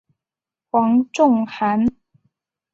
黄仲涵。